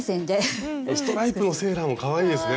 ストライプのセーラーもかわいいですね